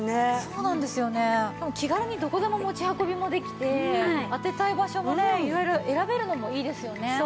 気軽にどこでも持ち運びもできて当てたい場所もね色々選べるのもいいですよね。